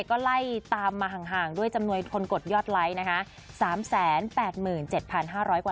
ก็ไล่ตามมาห่างด้วยจำนวยคนกดยอดไลค์นะคะ